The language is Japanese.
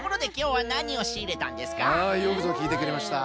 はいよくぞきいてくれました。